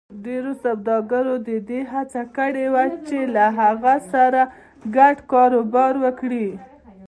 ډېرو سوداګرو د دې هڅه کړې وه چې له هغه سره ګډ کاروبار وکړي.